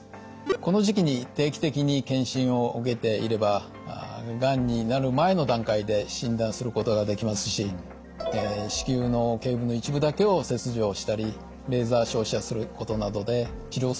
この時期に定期的に検診を受けていればがんになる前の段階で診断することができますし子宮の頸部の一部だけを切除したりレーザー照射することなどで治療することもできます。